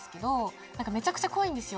めちゃくちゃ濃いんですよ